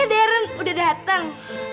eh darren udah dateng